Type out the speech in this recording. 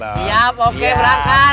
siap oke berangkat